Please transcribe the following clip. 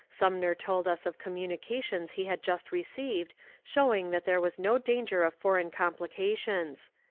Sumner told us of communications he had just re ceived showing that there was no danger of foreign com plications.